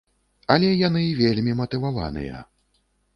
Але яны вельмі матываваныя.